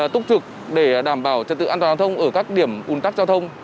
túc trực để đảm bảo trật tự an toàn giao thông ở các điểm ủn tắc giao thông